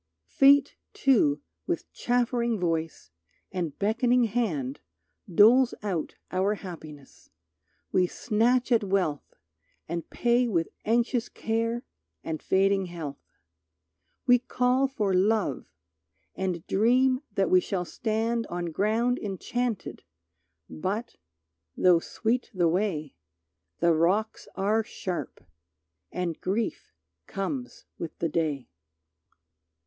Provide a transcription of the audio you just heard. Fate, too, with chaffering voice and beckoning hand Doles out our happiness; we snatch at wealth And pay with anxious care and fading health. We call for Love, and dream that we shall stand On ground enchanted, but, though sweet the way, The rocks are sharp, and grief comes with the Day.